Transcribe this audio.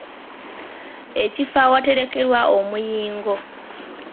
Ekifo awaterekebwa omuyingo?